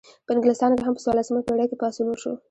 په انګلستان کې هم په څوارلسمه پیړۍ کې پاڅون وشو.